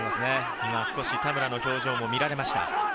今、少し田村の表情も見られました。